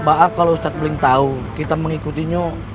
maaf kalau ustadz beling tahu kita mengikutinya